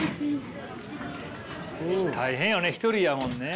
大変よね一人やもんね。